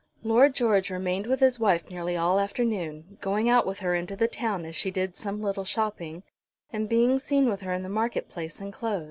Lord George remained with his wife nearly all the afternoon, going out with her into the town as she did some little shopping, and being seen with her in the market place and Close.